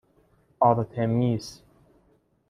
آرتِمیس